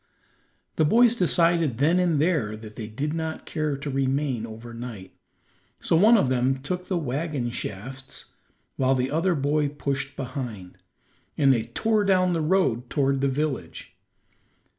The boys decided then and there that they did not care to remain over night, so one of them took the wagon shafts, while the other boy pushed behind, and they tore down the road toward the village.